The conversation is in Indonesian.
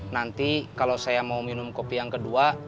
nanti kalau saya mau minum kopi yang kedua